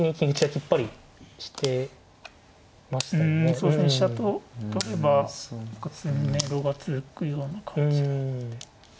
そうですね飛車と取れば詰めろが続くような感じなので。